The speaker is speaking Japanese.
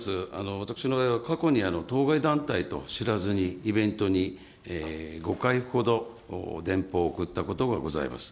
私の場合は過去に当該団体と知らずにイベントに５回ほど電報を送ったことがございます。